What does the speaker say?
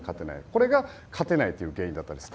これが勝てないという原因だったんです。